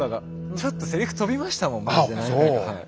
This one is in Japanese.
ちょっとセリフ飛びましたもんマジで何回か。